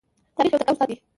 تاریخ یو تکړه استاد دی.